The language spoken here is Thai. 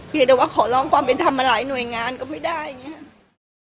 แต่ว่าขอร้องความเป็นธรรมมาหลายหน่วยงานก็ไม่ได้อย่างนี้